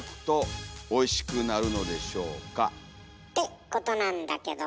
おお。ってことなんだけども。